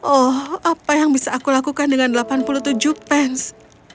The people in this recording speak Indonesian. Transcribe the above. oh apa yang bisa aku lakukan dengan delapan puluh tujuh pence